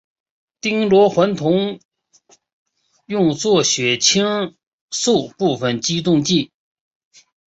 丁螺环酮用作血清素部分激动剂。